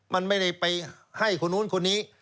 มันไม่ได้ไปให้คนนู้นคนนี้